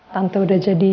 tante sudah jadi